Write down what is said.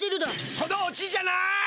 そのオチじゃない！